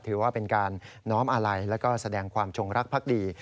ถือว่าเป็นการน้อมอาลัยแล้วก็แสดงความจงรักภักดี